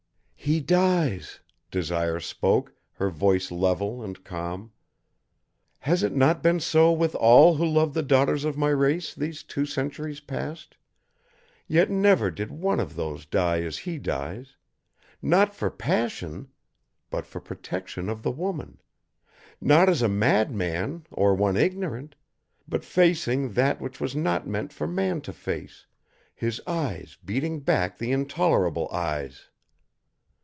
"He dies," Desire spoke, her voice level and calm. "Has it not been so with all who loved the daughters of my race these two centuries past? Yet never did one of those die as he dies not for passion, but for protection of the woman not as a madman or one ignorant, but facing that which was not meant for man to face, his eyes beating back the intolerable Eyes.